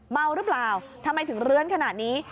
เมาหรือเปล่าทำไมถึงเลื้อนขนาดนี้